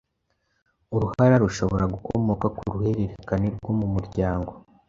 Uruhara rushobora gukomoka ku ruhererekane rwo mu muryango,